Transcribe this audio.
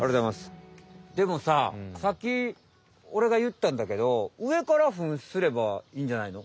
でもささっきおれがいったんだけど上からフンすればいいんじゃないの？